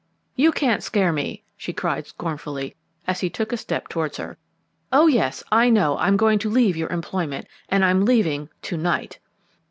"You can't scare me," she cried scornfully, as he took a step towards her. "Oh, yes, I know I'm going to leave your employment, and I'm leaving to night!"